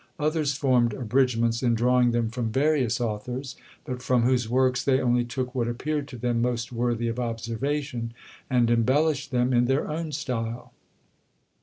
Others formed abridgments in drawing them from various authors, but from whose works they only took what appeared to them most worthy of observation, and embellished them in their own style.